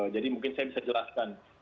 jadi mungkin saya bisa jelaskan